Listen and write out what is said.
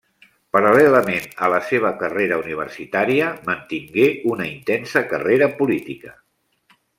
Paral·lelament a la seva carrera universitària, mantingué una intensa carrera política.